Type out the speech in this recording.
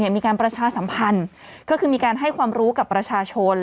ประชาสัมพันธ์ก็คือมีการให้ความรู้กับประชาชน